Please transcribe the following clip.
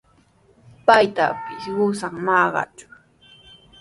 Paytapis qusan maqachun.